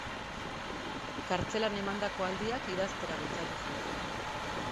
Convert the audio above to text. Kartzelan emandako aldiak idaztera bultzatu zuen.